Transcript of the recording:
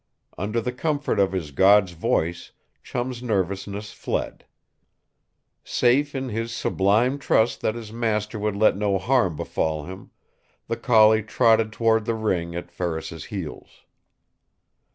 Under the comfort of his god's voice, Chum's nervousness fled. Safe in his sublime trust that his master would let no harm befall him, the collie trotted toward the ring at Ferris's heels.